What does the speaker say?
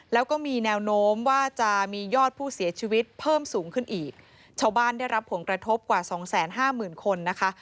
แล้วก็มีแนวโน้มว่าจะมียอดผู้เสียชีวิตเพิ่มสูงขึ้นอีกชาวบ้านได้รับผลกระทบกว่าสองแสนห้าหมื่นคนนะคะ